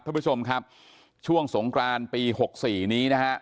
ท่านผู้ชมครับช่วงสงกรานปีหกสี่นี้นะฮะ